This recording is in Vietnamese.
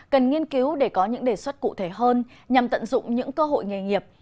cần nghiên cứu để có những đề xuất cụ thể hơn nhằm tận dụng những cơ hội nghề nghiệp